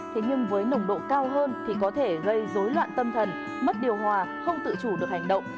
thế nhưng với nồng độ cao hơn thì có thể gây dối loạn tâm thần mất điều hòa không tự chủ được hành động